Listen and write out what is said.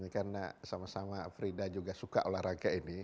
karena sama sama frida juga suka olahraga ini